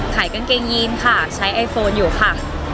กางเกงยีนค่ะใช้ไอโฟนอยู่ค่ะ